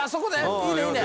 いいねいいね。